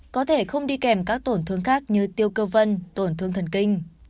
có thể không đi kèm các tổn thương khác như tiêu cơ vân tổn thương thần kinh